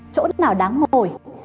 chỗ nào đáng ngồi